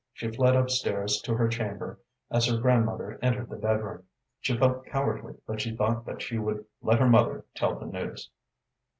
She fled up stairs to her chamber, as her grandmother entered the bedroom. She felt cowardly, but she thought that she would let her mother tell the news.